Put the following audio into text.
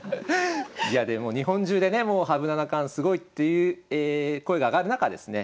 いやでも日本中でねもう羽生七冠すごいっていう声が上がる中ですね